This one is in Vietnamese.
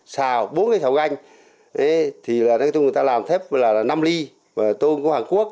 xào bốn cái xào ganh thì người ta làm thêm năm ly tôm của hàn quốc